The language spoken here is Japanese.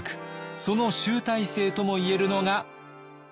その集大成とも言えるのが。